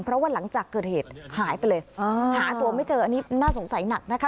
เพราะว่าหลังจากเกิดเหตุหายไปเลยหาตัวไม่เจออันนี้น่าสงสัยหนักนะคะ